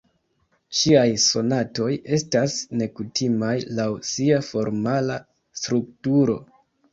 Ŝiaj sonatoj estas nekutimaj laŭ sia formala strukturo.